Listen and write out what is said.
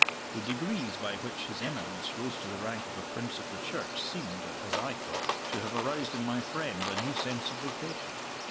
The degrees by which his Eminence rose to the rank of a Prince of the Church seemed, as I thought, to have aroused in my friend a new sense of vocation.